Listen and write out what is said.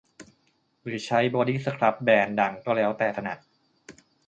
หรือใช้บอดี้สครับแบรนด์ดังก็แล้วแต่ถนัด